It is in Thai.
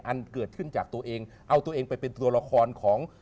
อันเกิดขึ้นจากตัวเองเอาตัวเองไปเป็นตัวละครของ